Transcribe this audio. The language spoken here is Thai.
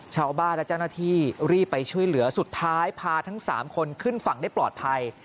ชาวบ้านและเจ้าหน้าที่รีบไปช่วยเหลือสุดท้ายพาทั้ง๓คนขึ้นฝั่งได้ปลอดภัย